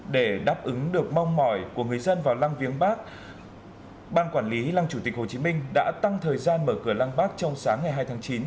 để đáp ứng được mong mỏi của người dân vào lăng viếng bắc ban quản lý lăng chủ tịch hồ chí minh đã tăng thời gian mở cửa lăng bắc trong sáng ngày hai tháng chín